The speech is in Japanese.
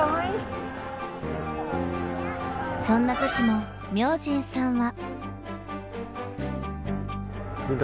そんな時も明神さんは。